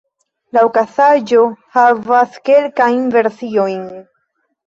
La okazaĵo havas kelkajn versiojn.